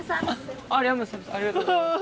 ありがとうございます。